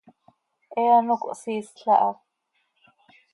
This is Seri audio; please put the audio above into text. He ano cohsiisl aha.